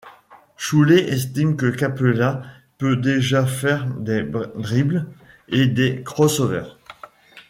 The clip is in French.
Choulet estime que Capela peut déjà faire des dribbles et des cross-over.